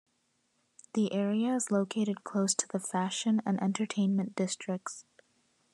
The area is located close to the Fashion and Entertainment districts.